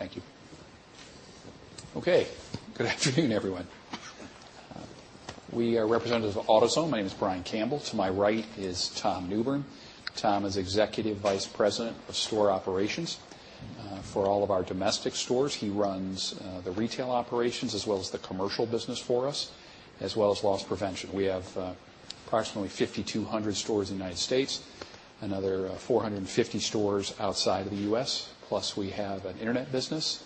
Thank you. Okay. Good afternoon, everyone. We are representatives of AutoZone. My name is Brian Campbell. To my right is Tom Newbern. Tom is Executive Vice President of Store Operations for all of our domestic stores. He runs the retail operations as well as the commercial business for us, as well as loss prevention. We have approximately 5,200 stores in the U.S., another 450 stores outside of the U.S., plus we have an internet business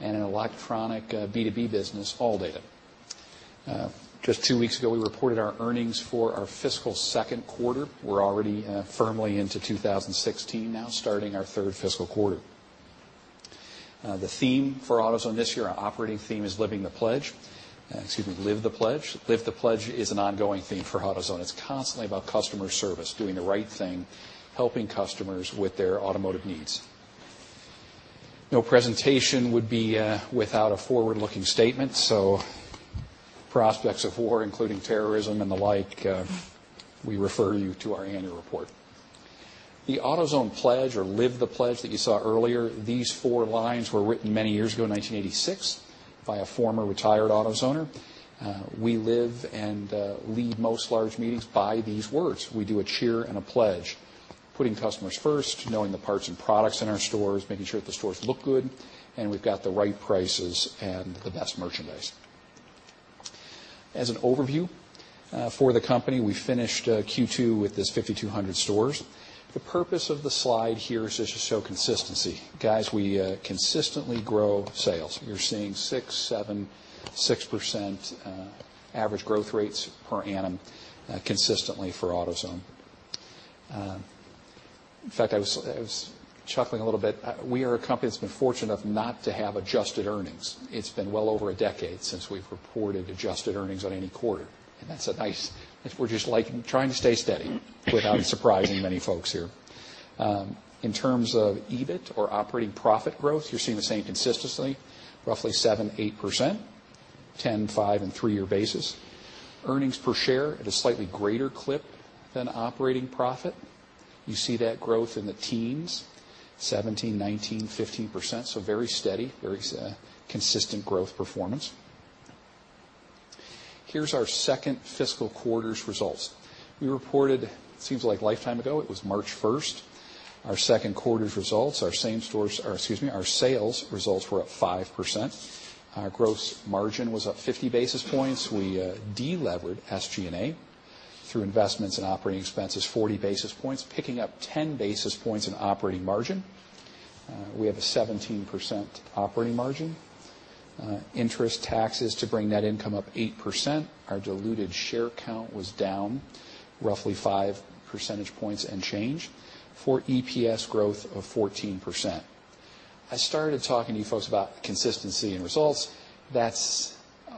and an electronic B2B business, ALLDATA. Just 2 weeks ago, we reported our earnings for our fiscal second quarter. We're already firmly into 2016 now, starting our third fiscal quarter. The theme for AutoZone this year, our operating theme, is Live the Pledge. Excuse me, Live the Pledge. Live the Pledge is an ongoing theme for AutoZone. It's constantly about customer service, doing the right thing, helping customers with their automotive needs. No presentation would be without a forward-looking statement. Prospects of war, including terrorism and the like, we refer you to our annual report. The AutoZone pledge or Live the Pledge that you saw earlier, these four lines were written many years ago, 1986, by a former retired AutoZoner. We live and lead most large meetings by these words. We do a cheer and a pledge, putting customers first, knowing the parts and products in our stores, making sure that the stores look good, and we've got the right prices and the best merchandise. As an overview for the company, we finished Q2 with these 5,200 stores. The purpose of the slide here is just to show consistency. Guys, we consistently grow sales. You're seeing 6%, 7%, 6% average growth rates per annum consistently for AutoZone. In fact, I was chuckling a little bit. We are a company that's been fortunate enough not to have adjusted earnings. It's been well over a decade since we've reported adjusted earnings on any quarter, and that's nice. We're just trying to stay steady without surprising many folks here. In terms of EBIT or operating profit growth, you're seeing the same consistency, roughly 7%, 8%, 10-year, 5-year, and 3-year basis. Earnings per share at a slightly greater clip than operating profit. You see that growth in the teens, 17%, 19%, 15%, so very steady, very consistent growth performance. Here's our second fiscal quarter's results. We reported, seems like a lifetime ago, it was March 1st, our second quarter's results. Our sales results were up 5%. Our gross margin was up 50 basis points. We de-levered SGA through investments in operating expenses, 40 basis points, picking up 10 basis points in operating margin. We have a 17% operating margin. Interest, taxes to bring net income up 8%. Our diluted share count was down roughly five percentage points and change for EPS growth of 14%. I started talking to you folks about consistency in results.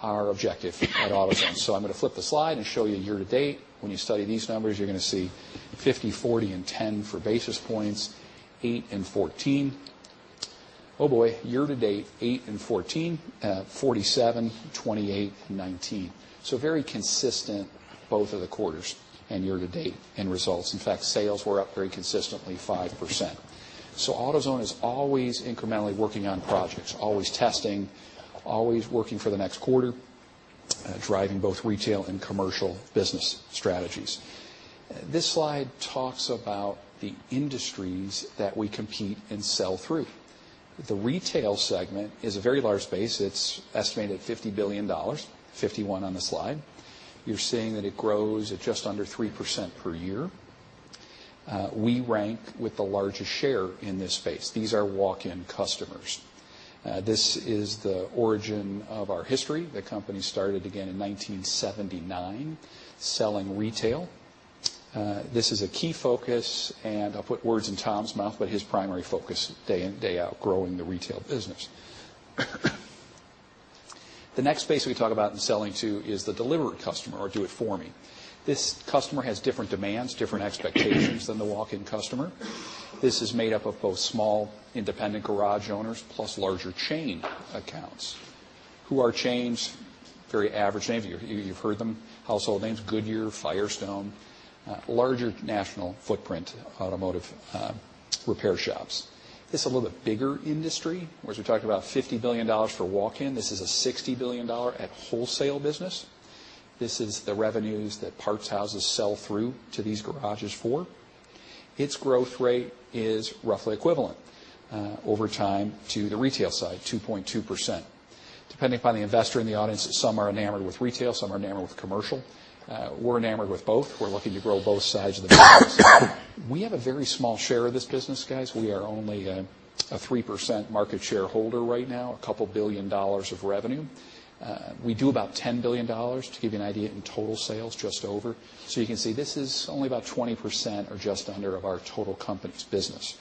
I'm going to flip the slide and show you year-to-date. When you study these numbers, you're going to see 50, 40, and 10 for basis points, 8 and 14. Oh, boy. Year-to-date, 8 and 14, 47, 28, and 19. Very consistent both of the quarters and year-to-date end results. In fact, sales were up very consistently 5%. AutoZone is always incrementally working on projects, always testing, always working for the next quarter, driving both retail and commercial business strategies. This slide talks about the industries that we compete and sell through. The retail segment is a very large space. It's estimated at $50 billion, 51 on the slide. You're seeing that it grows at just under 3% per year. We rank with the largest share in this space. These are walk-in customers. This is the origin of our history. The company started, again, in 1979, selling retail. This is a key focus, and I'll put words in Tom Newbern's mouth, but his primary focus day in, day out, growing the retail business. The next space we talk about in selling to is the delivery customer or do it for me. This customer has different demands, different expectations than the walk-in customer. This is made up of both small independent garage owners plus larger chain accounts. Who are chains? Very average names. You've heard them. Household names. Goodyear, Firestone, larger national footprint automotive repair shops. It's a little bit bigger industry, whereas we talked about $50 billion for walk-in, this is a $60 billion at wholesale business. This is the revenues that parts houses sell through to these garages for. Its growth rate is roughly equivalent over time to the retail side, 2.2%. Depending upon the investor in the audience, some are enamored with retail, some are enamored with commercial. We're enamored with both. We're looking to grow both sides of the business. We have a very small share of this business, guys. We are only a 3% market share holder right now, a couple billion dollars of revenue. We do about $10 billion, to give you an idea, in total sales, just over. You can see this is only about 20% or just under of our total company's business.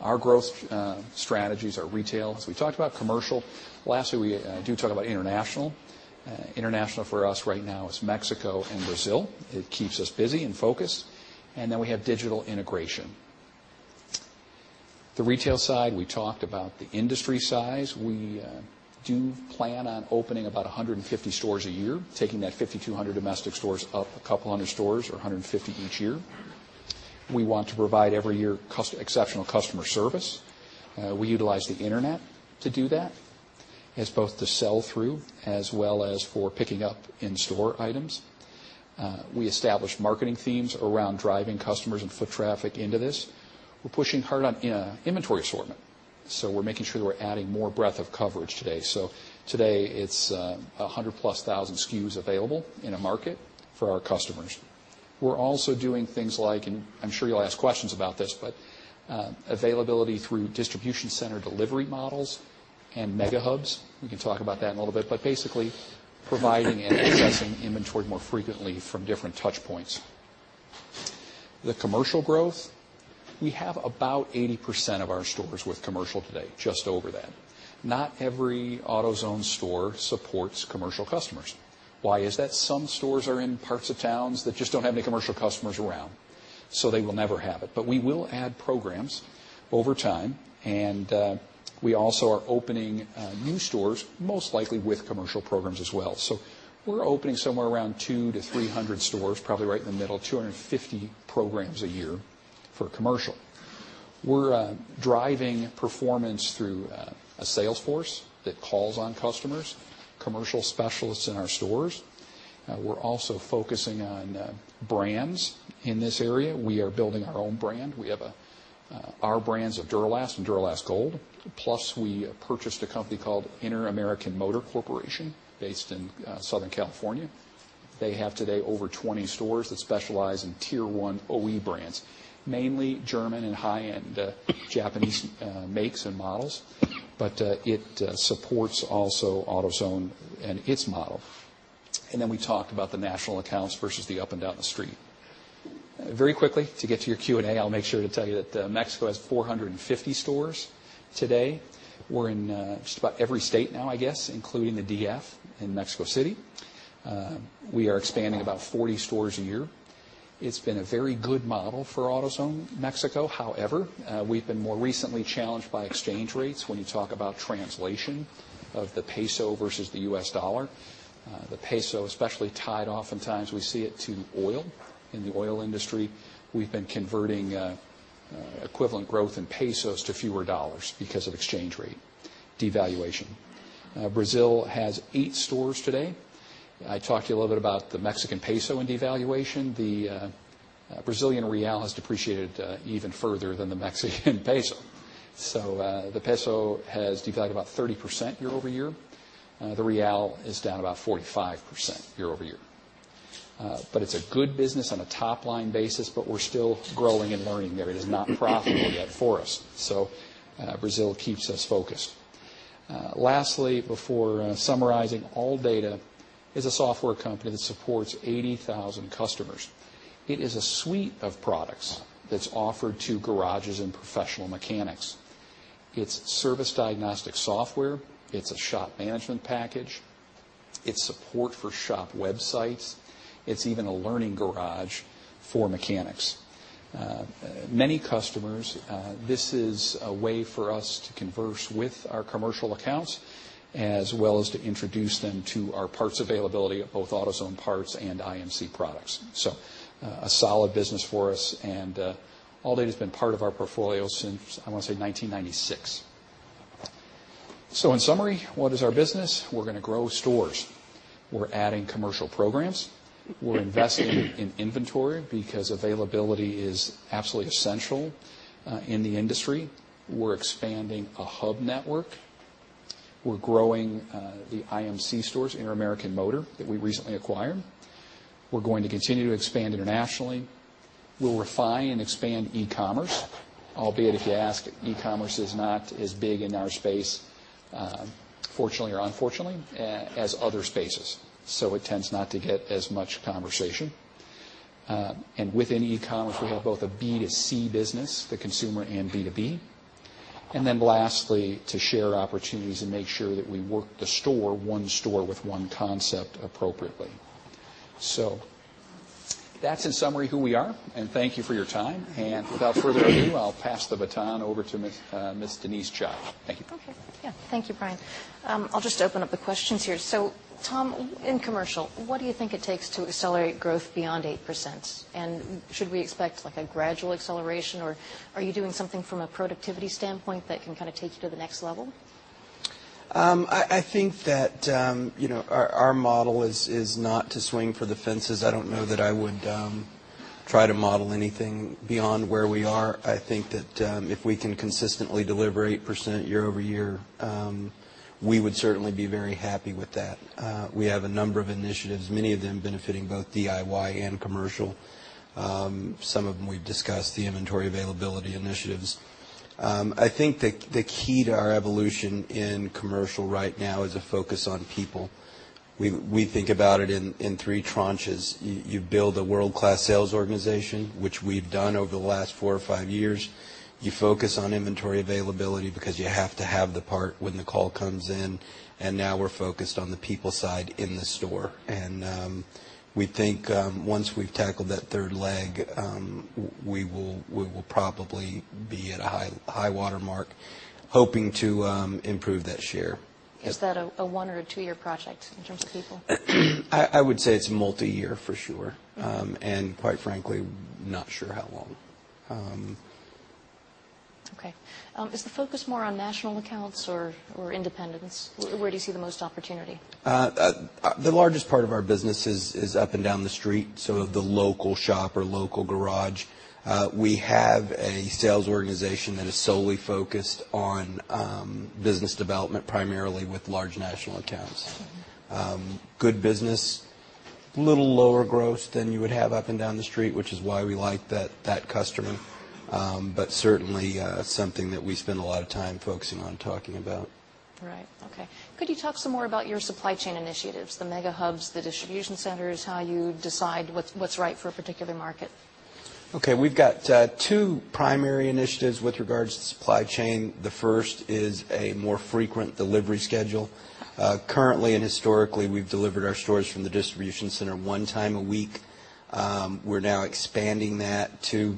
Our growth strategies are retail. We talked about commercial. Lastly, we do talk about international. International for us right now is Mexico and Brazil. It keeps us busy and focused. We have digital integration. The retail side, we talked about the industry size. We do plan on opening about 150 stores a year, taking that 5,200 domestic stores up a couple hundred stores or 150 each year. We want to provide every year exceptional customer service. We utilize the internet to do that, as both to sell through as well as for picking up in-store items. We establish marketing themes around driving customers and foot traffic into this. We're pushing hard on inventory assortment. We're making sure that we're adding more breadth of coverage today. Today it's 100-plus thousand SKUs available in a market for our customers. We're also doing things like, and I'm sure you'll ask questions about this, but availability through distribution center delivery models and mega hubs. We can talk about that in a little bit. Basically, providing and adjusting inventory more frequently from different touchpoints. The commercial growth, we have about 80% of our stores with commercial today, just over that. Not every AutoZone store supports commercial customers. Why is that? Some stores are in parts of towns that just don't have any commercial customers around, so they will never have it. We will add programs over time, and we also are opening new stores, most likely with commercial programs as well. We're opening somewhere around two to 300 stores, probably right in the middle, 250 programs a year for commercial. We're driving performance through a sales force that calls on customers, commercial specialists in our stores. We are also focusing on brands in this area. We are building our own brand. We have our brands of Duralast and Duralast Gold. Plus, we purchased a company called Interamerican Motor Corporation based in Southern California. They have today over 20 stores that specialize in Tier 1 OE brands, mainly German and high-end Japanese makes and models. But it supports also AutoZone and its model. We talked about the national accounts versus the up and down the street. Very quickly, to get to your Q&A, I'll make sure to tell you that Mexico has 450 stores today. We're in just about every state now, I guess, including the D.F. in Mexico City. We are expanding about 40 stores a year. It's been a very good model for AutoZone Mexico. However, we've been more recently challenged by exchange rates when you talk about translation of the peso versus the U.S. dollar. The peso especially tied oftentimes, we see it to oil in the oil industry. We've been converting equivalent growth in pesos to fewer dollars because of exchange rate devaluation. Brazil has eight stores today. I talked to you a little bit about the Mexican peso and devaluation. The Brazilian real has depreciated even further than the Mexican peso. The peso has devalued about 30% year-over-year. The real is down about 45% year-over-year. But it's a good business on a top-line basis, but we're still growing and learning there. It is not profitable yet for us, so Brazil keeps us focused. Lastly, before summarizing, ALLDATA is a software company that supports 80,000 customers. It is a suite of products that's offered to garages and professional mechanics. It's service diagnostic software. It's a shop management package. It's support for shop websites. It's even a learning garage for mechanics. Many customers, this is a way for us to converse with our commercial accounts as well as to introduce them to our parts availability of both AutoZone parts and IMC products. So a solid business for us and ALLDATA's been part of our portfolio since, I want to say 1996. So in summary, what is our business? We're going to grow stores. We're adding commercial programs. We're investing in inventory because availability is absolutely essential in the industry. We're expanding a hub network. We're growing the Interamerican Motor stores, that we recently acquired. We're going to continue to expand internationally. We'll refine and expand e-commerce. Albeit, if you ask, e-commerce is not as big in our space, fortunately or unfortunately, as other spaces. It tends not to get as much conversation. Within e-commerce, we have both a B2C business, the consumer, and B2B. Lastly, to share opportunities and make sure that we work the store, one store with one concept appropriately. So that's in summary who we are, and thank you for your time. Without further ado, I'll pass the baton over to Ms. Denise Chai. Thank you. Thank you, Brian. I'll just open up the questions here. Tom, in commercial, what do you think it takes to accelerate growth beyond 8%? Should we expect a gradual acceleration, or are you doing something from a productivity standpoint that can take you to the next level? I think that our model is not to swing for the fences. I don't know that I would try to model anything beyond where we are. I think that if we can consistently deliver 8% year-over-year, we would certainly be very happy with that. We have a number of initiatives, many of them benefiting both DIY and commercial. Some of them we've discussed, the inventory availability initiatives. I think the key to our evolution in commercial right now is a focus on people. We think about it in three tranches. You build a world-class sales organization, which we've done over the last four or five years. You focus on inventory availability because you have to have the part when the call comes in, and now we're focused on the people side in the store. We think once we've tackled that third leg, we will probably be at a high water mark, hoping to improve that share. Is that a one or a two-year project in terms of people? I would say it's multi-year for sure. Okay. Quite frankly, not sure how long. Okay. Is the focus more on national accounts or independents? Where do you see the most opportunity? The largest part of our business is up and down the street, so the local shop or local garage. We have a sales organization that is solely focused on business development, primarily with large national accounts. Okay. Good business, a little lower gross than you would have up and down the street, which is why we like that customer. Certainly, something that we spend a lot of time focusing on talking about. Right. Okay. Could you talk some more about your supply chain initiatives, the mega hubs, the distribution centers, how you decide what's right for a particular market? Okay, we've got two primary initiatives with regards to supply chain. The first is a more frequent delivery schedule. Currently and historically, we've delivered our stores from the distribution center one time a week. We're now expanding that to,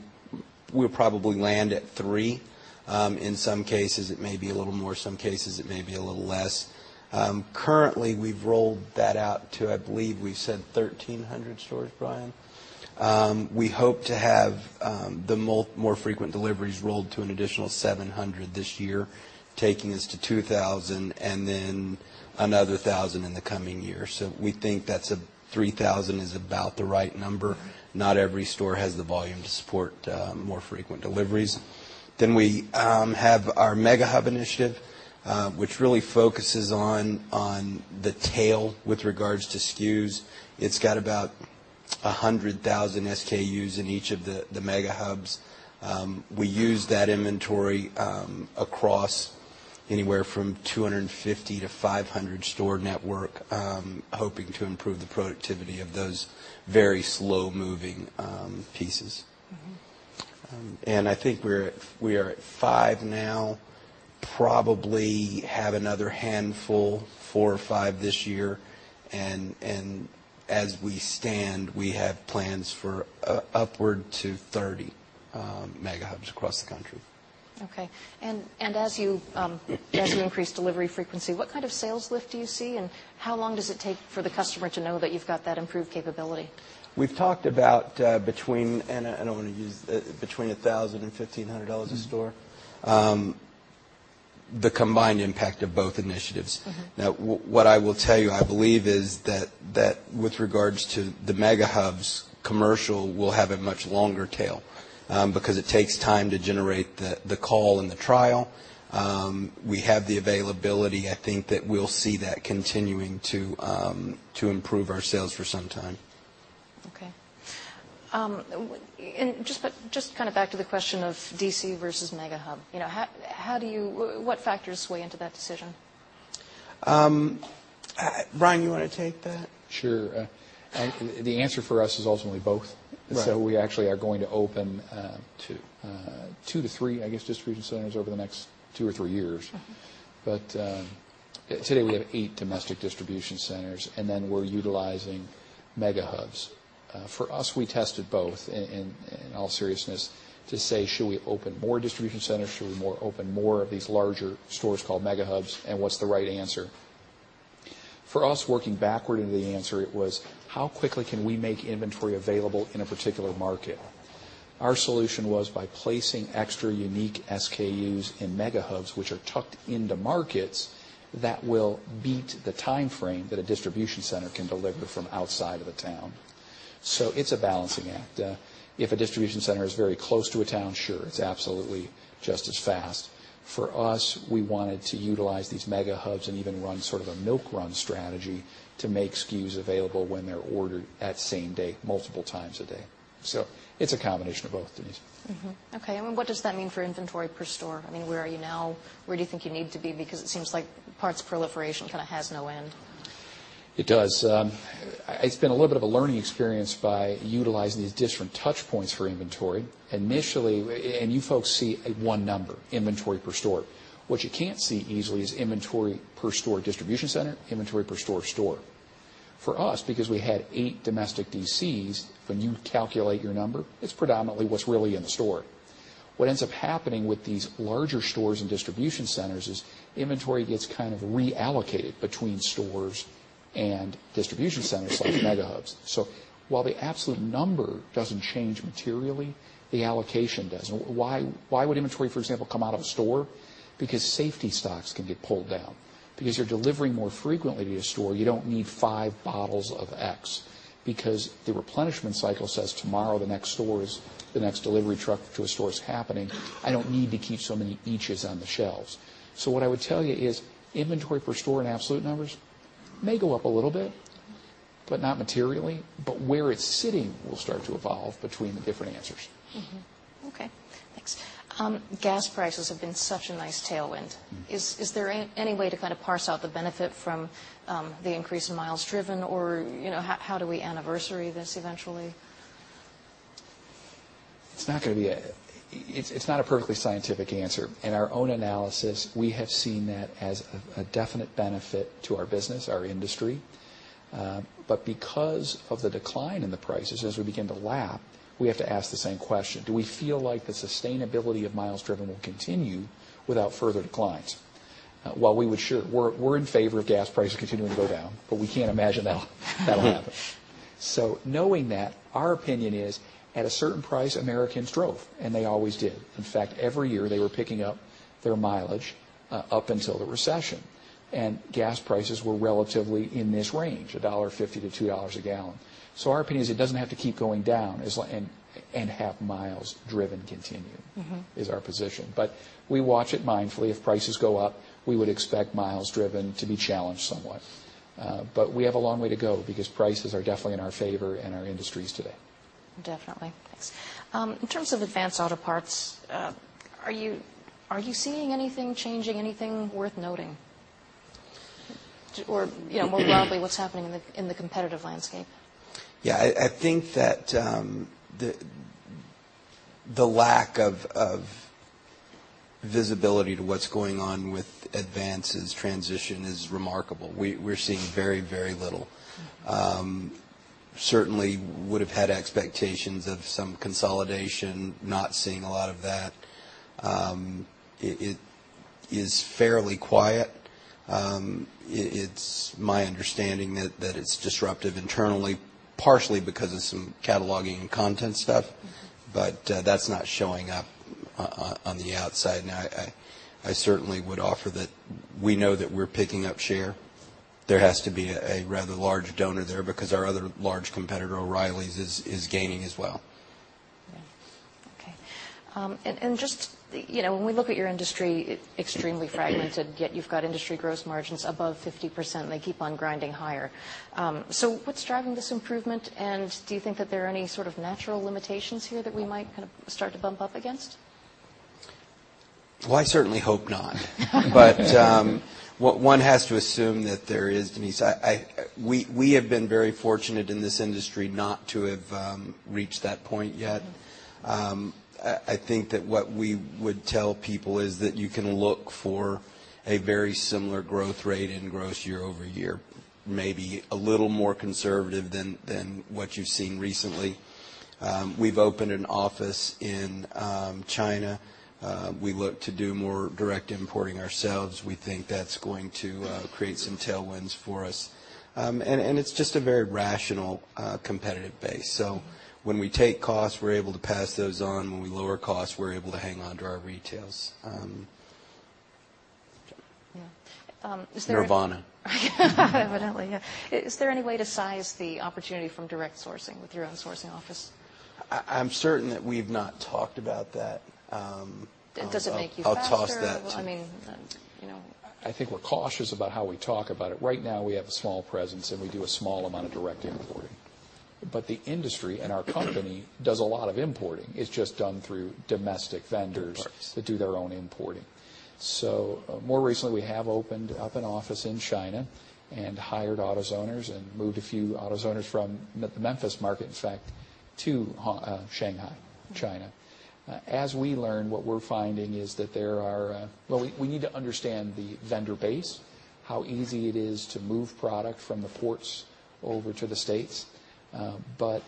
we'll probably land at three. In some cases, it may be a little more, some cases it may be a little less. Currently, we've rolled that out to, I believe we said 1,300 stores, Brian. We hope to have the more frequent deliveries rolled to an additional 700 this year, taking us to 2,000, and then another 1,000 in the coming year. We think that 3,000 is about the right number. Not every store has the volume to support more frequent deliveries. We have our mega hub initiative, which really focuses on the tail with regards to SKUs. It's got about 100,000 SKUs in each of the mega hubs. We use that inventory across anywhere from 250-500 store network, hoping to improve the productivity of those very slow-moving pieces. I think we are at five now. Probably have another handful, four or five this year. As we stand, we have plans for upward to 30 mega hubs across the country. Okay. As you increase delivery frequency, what kind of sales lift do you see and how long does it take for the customer to know that you've got that improved capability? We've talked about Between $1,000 and $1,500 a store- the combined impact of both initiatives. What I will tell you, I believe is that with regards to the mega hubs commercial will have a much longer tail, because it takes time to generate the call and the trial. We have the availability. I think that we'll see that continuing to improve our sales for some time. Okay. Just kind of back to the question of DC versus mega hub. What factors sway into that decision? Brian, you want to take that? Sure. The answer for us is ultimately both. Right. We actually are going to open two to three, I guess, distribution centers over the next two or three years. Okay. Today we have eight domestic distribution centers, and then we're utilizing mega hubs. For us, we tested both in all seriousness to say, "Should we open more distribution centers? Should we open more of these larger stores called mega hubs, and what's the right answer?" For us, working backward into the answer, it was, how quickly can we make inventory available in a particular market? Our solution was by placing extra unique SKUs in mega hubs, which are tucked into markets that will beat the timeframe that a distribution center can deliver from outside of a town. It's a balancing act. If a distribution center is very close to a town, sure, it's absolutely just as fast. For us, we wanted to utilize these mega hubs and even run sort of a milk run strategy to make SKUs available when they're ordered at same day, multiple times a day. It's a combination of both, Denise. Okay. What does that mean for inventory per store? Where are you now? Where do you think you need to be? It seems like parts proliferation kind of has no end. It does. It's been a little bit of a learning experience by utilizing these different touch points for inventory. Initially, you folks see a one number, inventory per store. What you can't see easily is inventory per store distribution center, inventory per store. For us, because we had eight domestic DCs, when you calculate your number, it's predominantly what's really in the store. What ends up happening with these larger stores and distribution centers is inventory gets kind of reallocated between stores and distribution centers like mega hubs. While the absolute number doesn't change materially, the allocation does. Why would inventory, for example, come out of a store? Because safety stocks can get pulled down. Because you're delivering more frequently to your store, you don't need five bottles of X. Because the replenishment cycle says tomorrow the next delivery truck to a store is happening, I don't need to keep so many inches on the shelves. What I would tell you is inventory per store in absolute numbers may go up a little bit, but not materially, but where it's sitting will start to evolve between the different answers. Okay, thanks. Gas prices have been such a nice tailwind. Is there any way to kind of parse out the benefit from the increase in miles driven or how do we anniversary this eventually? It's not a perfectly scientific answer. In our own analysis, we have seen that as a definite benefit to our business, our industry. Because of the decline in the prices as we begin to lap, we have to ask the same question: Do we feel like the sustainability of miles driven will continue without further declines? While we're in favor of gas prices continuing to go down, we can't imagine that'll happen. Knowing that, our opinion is, at a certain price, Americans drove, and they always did. In fact, every year they were picking up their mileage, up until the recession. Gas prices were relatively in this range, $1.50-$2 a gallon. Our opinion is it doesn't have to keep going down, and have miles driven continue- is our position. We watch it mindfully. If prices go up, we would expect miles driven to be challenged somewhat. We have a long way to go because prices are definitely in our favor in our industries today. Definitely. Thanks. In terms of Advance Auto Parts, are you seeing anything changing, anything worth noting? More broadly, what's happening in the competitive landscape? I think that the lack of visibility to what's going on with Advance's transition is remarkable. We're seeing very, very little. Certainly would've had expectations of some consolidation, not seeing a lot of that. It is fairly quiet. It's my understanding that it's disruptive internally, partially because of some cataloging and content stuff, but that's not showing up on the outside. Now, I certainly would offer that we know that we're picking up share. There has to be a rather large donor there because our other large competitor, O'Reilly's, is gaining as well. Yeah. Okay. When we look at your industry, extremely fragmented, yet you've got industry gross margins above 50%, and they keep on grinding higher. What's driving this improvement, and do you think that there are any sort of natural limitations here that we might kind of start to bump up against? Well, I certainly hope not. One has to assume that there is, Denise. We have been very fortunate in this industry not to have reached that point yet. I think that what we would tell people is that you can look for a very similar growth rate in gross year-over-year, maybe a little more conservative than what you've seen recently. We've opened an office in China. We look to do more direct importing ourselves. We think that's going to create some tailwinds for us. It's just a very rational, competitive base, so when we take costs, we're able to pass those on. When we lower costs, we're able to hang on to our retails. Yeah. Is there- Nirvana. Evidently, yeah. Is there any way to size the opportunity from direct sourcing with your own sourcing office? I'm certain that we've not talked about that. Does it make you faster? I'll toss that. Well, I mean. I think we're cautious about how we talk about it. Right now, we have a small presence, and we do a small amount of direct importing. The industry, and our company, does a lot of importing. It's just done through domestic vendors- Partners that do their own importing. More recently, we have opened up an office in China and hired AutoZoners and moved a few AutoZoners from the Memphis market, in fact, to Shanghai, China. As we learn, what we're finding is that there are Well, we need to understand the vendor base, how easy it is to move product from the ports over to the States.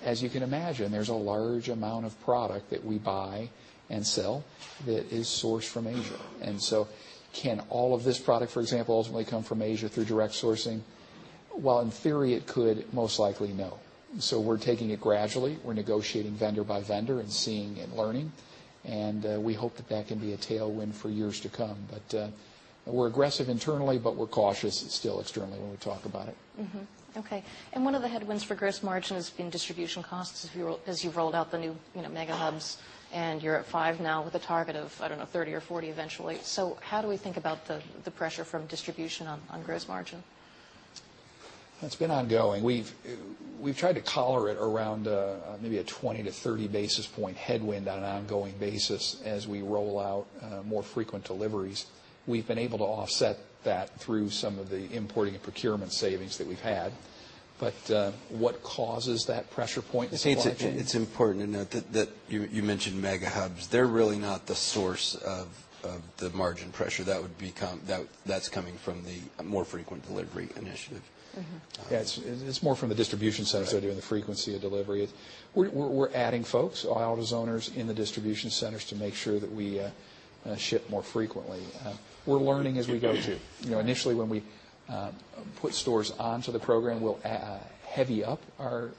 As you can imagine, there's a large amount of product that we buy and sell that is sourced from Asia. Can all of this product, for example, ultimately come from Asia through direct sourcing? While in theory it could, most likely, no. We're taking it gradually. We're negotiating vendor by vendor and seeing and learning, and we hope that that can be a tailwind for years to come. We're aggressive internally, but we're cautious still externally when we talk about it. Mm-hmm. Okay. One of the headwinds for gross margin has been distribution costs as you've rolled out the new mega hubs, and you're at five now with a target of, I don't know, 30 or 40 eventually. How do we think about the pressure from distribution on gross margin? It's been ongoing. We've tried to collar it around maybe a 20- to 30-basis-point headwind on an ongoing basis. As we roll out more frequent deliveries, we've been able to offset that through some of the importing and procurement savings that we've had. What causes that pressure point to continue? It's important to note that you mentioned mega hubs. They're really not the source of the margin pressure. That's coming from the more frequent delivery initiative. It's more from the distribution centers that are doing the frequency of delivery. We're adding folks, AutoZoners, in the distribution centers to make sure that we ship more frequently. We're learning as we go, too. Initially, when we put stores onto the program, we'll heavy up our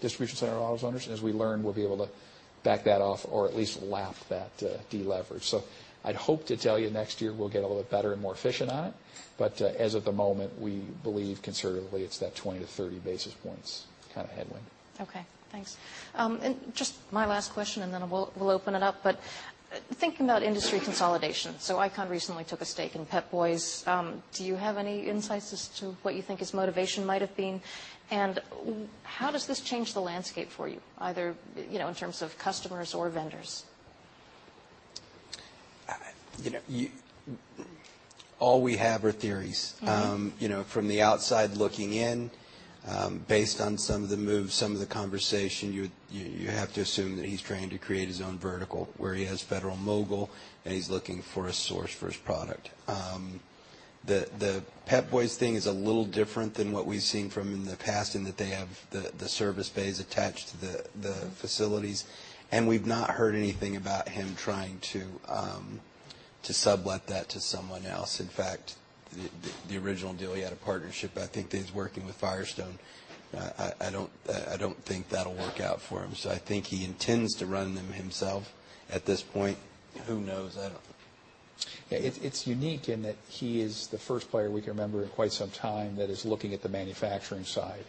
distribution center AutoZoners. As we learn, we'll be able to back that off, or at least lap that deleverage. I'd hope to tell you next year we'll get a little bit better and more efficient on it. As of the moment, we believe conservatively it's that 20 to 30 basis points kind of headwind. Thanks. Just my last question, and then we'll open it up. Thinking about industry consolidation, Icahn recently took a stake in The Pep Boys: Manny, Moe & Jack. Do you have any insights as to what you think his motivation might have been, and how does this change the landscape for you, either in terms of customers or vendors? All we have are theories. From the outside looking in, based on some of the moves, some of the conversation, you have to assume that he's trying to create his own vertical where he has Federal-Mogul, and he's looking for a source for his product. The Pep Boys thing is a little different than what we've seen from in the past, in that they have the service bays attached to the facilities. We've not heard anything about him trying to sublet that to someone else. In fact, the original deal, he had a partnership, I think that he's working with Firestone. I don't think that'll work out for him. I think he intends to run them himself at this point. Who knows? I don't know. It's unique in that he is the first player we can remember in quite some time that is looking at the manufacturing side,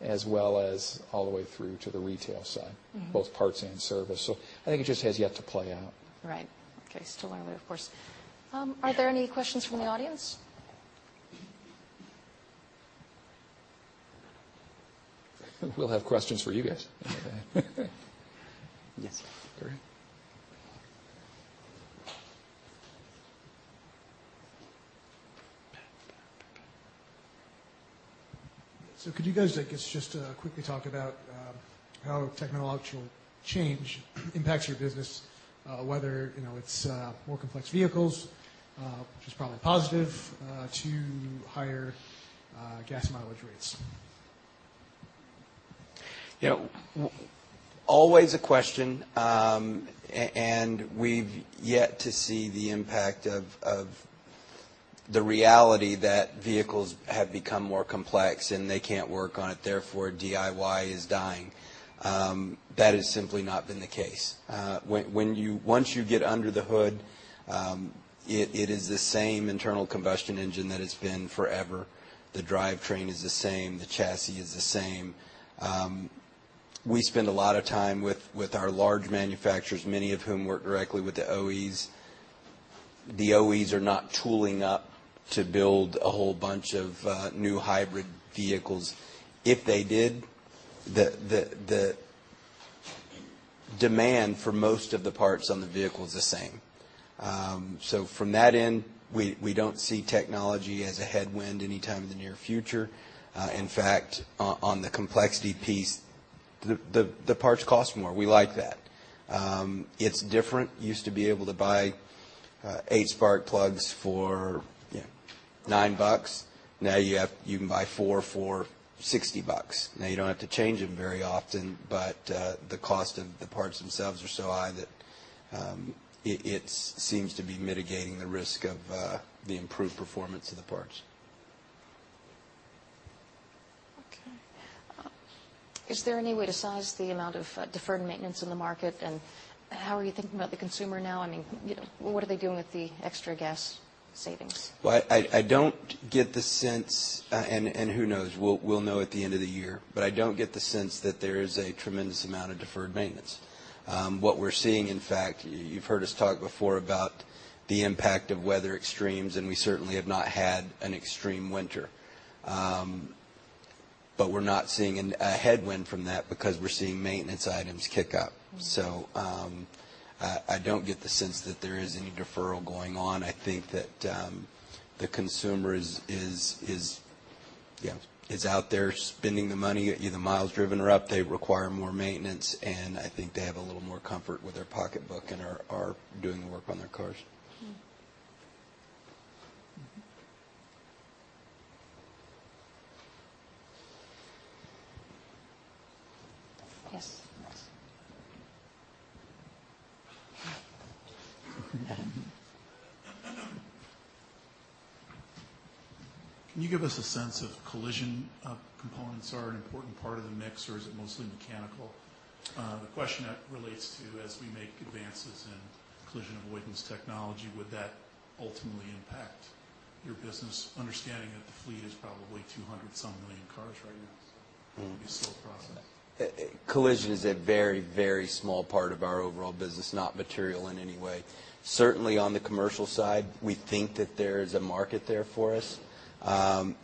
as well as all the way through to the retail side. Both parts and service. I think it just has yet to play out. Right. Okay. Still early, of course. Are there any questions from the audience? We'll have questions for you guys. Yes. All right. Could you guys, I guess, just quickly talk about how technological change impacts your business, whether it's more complex vehicles, which is probably positive, to higher gas mileage rates. Yeah. Always a question. We've yet to see the impact of the reality that vehicles have become more complex, and they can't work on it, therefore DIY is dying. That has simply not been the case. Once you get under the hood, it is the same internal combustion engine that it's been forever. The drivetrain is the same. The chassis is the same. We spend a lot of time with our large manufacturers, many of whom work directly with the OEs. The OEs are not tooling up to build a whole bunch of new hybrid vehicles. If they did, the demand for most of the parts on the vehicle is the same. From that end, we don't see technology as a headwind anytime in the near future. In fact, on the complexity piece, the parts cost more. We like that. It's different. Used to be able to buy eight spark plugs for nine bucks. You can buy four for $60. You don't have to change them very often, but the cost of the parts themselves are so high that it seems to be mitigating the risk of the improved performance of the parts. Okay. Is there any way to size the amount of deferred maintenance in the market, and how are you thinking about the consumer now? What are they doing with the extra gas savings? Well, I don't get the sense, and who knows, we'll know at the end of the year, but I don't get the sense that there is a tremendous amount of deferred maintenance. What we're seeing, in fact, you've heard us talk before about the impact of weather extremes, and we certainly have not had an extreme winter. We're not seeing a headwind from that because we're seeing maintenance items kick up. I don't get the sense that there is any deferral going on. I think that the consumer is out there spending the money. The miles driven are up. They require more maintenance, and I think they have a little more comfort with their pocketbook and are doing the work on their cars. Mm-hmm. Yes. Yes. Can you give us a sense of collision components are an important part of the mix, or is it mostly mechanical? The question relates to as we make advances in collision avoidance technology, would that ultimately impact your business? Understanding that the fleet is probably 200 some million cars right now. It would be a slow process. Collision is a very small part of our overall business, not material in any way. On the commercial side, we think that there is a market there for us.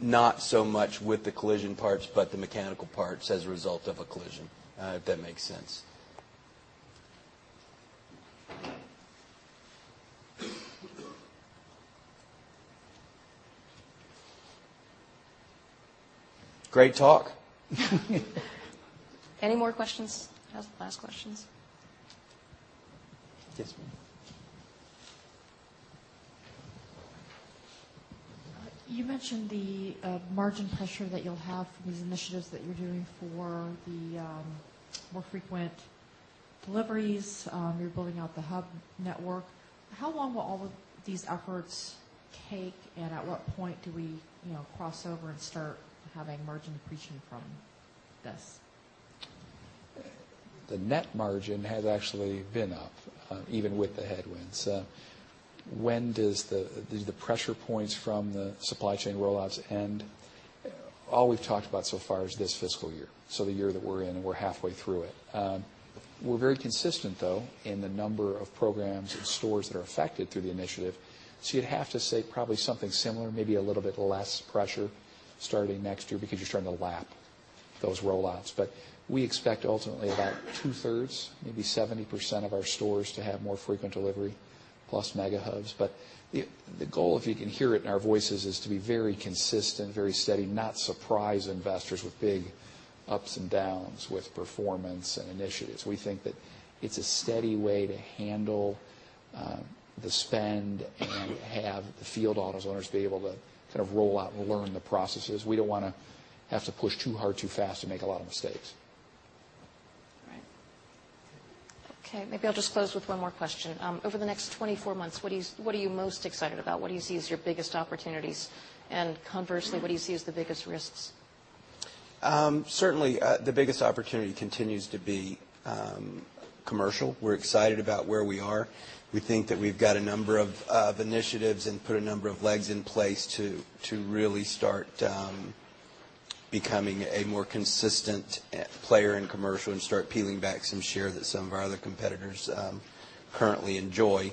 Not so much with the collision parts, but the mechanical parts as a result of a collision. If that makes sense. Great talk. Any more questions? How's the last questions? Yes, ma'am. You mentioned the margin pressure that you'll have from these initiatives that you're doing for the more frequent deliveries. You're building out the hub network. How long will all of these efforts take, and at what point do we cross over and start having margin accretion from this? The net margin has actually been up, even with the headwinds. When does the pressure points from the supply chain rollouts end? All we've talked about so far is this fiscal year. The year that we're in, and we're halfway through it. We're very consistent, though, in the number of programs and stores that are affected through the initiative. You'd have to say probably something similar, maybe a little bit less pressure starting next year because you're starting to lap those rollouts. We expect ultimately about two-thirds, maybe 70% of our stores to have more frequent delivery plus mega hubs. The goal, if you can hear it in our voices, is to be very consistent, very steady, not surprise investors with big ups and downs with performance and initiatives. We think that it's a steady way to handle the spend and have the field AutoZoners be able to roll out and learn the processes. We don't want to have to push too hard, too fast and make a lot of mistakes. All right. Okay, maybe I'll just close with one more question. Over the next 24 months, what are you most excited about? What do you see as your biggest opportunities? Conversely, what do you see as the biggest risks? Certainly, the biggest opportunity continues to be commercial. We're excited about where we are. We think that we've got a number of initiatives and put a number of legs in place to really start becoming a more consistent player in commercial and start peeling back some share that some of our other competitors currently enjoy,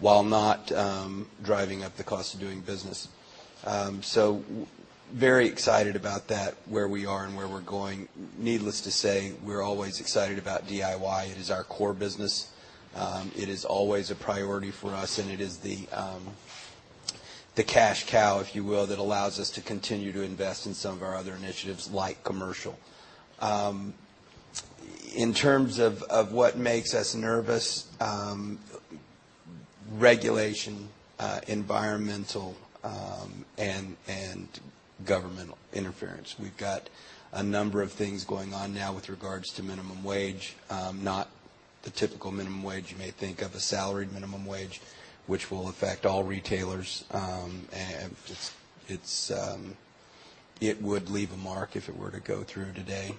while not driving up the cost of doing business. Very excited about that, where we are and where we're going. Needless to say, we're always excited about DIY. It is our core business. It is always a priority for us, and it is the cash cow, if you will, that allows us to continue to invest in some of our other initiatives, like commercial. In terms of what makes us nervous: regulation, environmental, and governmental interference. We've got a number of things going on now with regards to minimum wage. Not the typical minimum wage you may think of, a salaried minimum wage, which will affect all retailers. It would leave a mark if it were to go through today.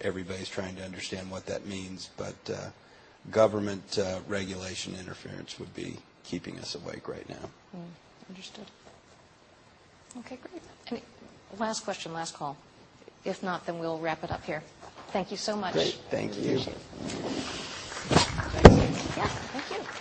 Everybody's trying to understand what that means, but government regulation interference would be keeping us awake right now. Understood. Okay, great. Last question, last call. If not, then we'll wrap it up here. Thank you so much. Great. Thank you. Appreciate it. Yeah. Thank you.